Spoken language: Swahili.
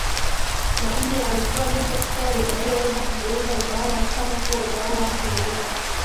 na nne alikuwa Josef Stalin aliyeweza kugeuza utawala wa chama kuwa utawala wake mwenyewe